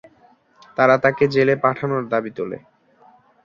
তারা তাঁকে জেলে পাঠানোর দাবী তোলে।